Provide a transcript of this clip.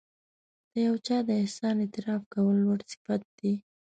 د یو چا د احسان اعتراف کول لوړ صفت دی.